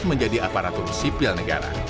menjadi aparatur sipil negara